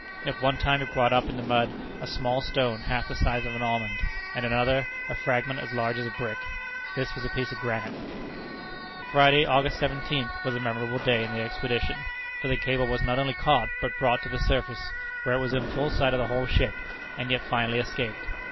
At one time it brought up in the mud a small stone half the size of an almond; and at another a fragment as large as a brick. This was a piece of granite. Friday, August 17th, was a memorable day in the expedition, for the cable was not only caught, but brought to the surface, where it was in full sight of the whole ship, and yet finally escaped.